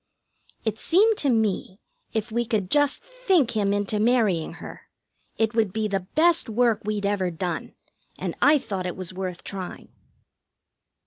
It seemed to me if we could just think him into marrying her, it would be the best work we'd ever done, and I thought it was worth trying.